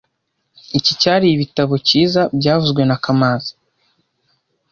Iki cyari ibitabo cyiza byavuzwe na kamanzi